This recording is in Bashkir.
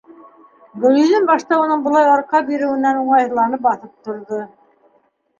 Гөлйөҙөм башта уның былай арҡа биреүенән уңайһыҙланып баҫып торҙо.